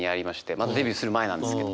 まだデビューする前なんですけど。